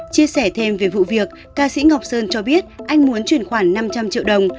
chia sẻ thêm về vụ việc ca sĩ ngọc sơn cho biết anh muốn chuyển khoản năm trăm linh triệu đồng